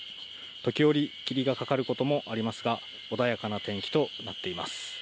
時折、霧がかかることもありますが、穏やかな天気となっています。